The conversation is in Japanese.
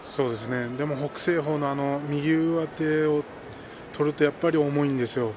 でも北青鵬のあの右上手を取ると重いんですよ。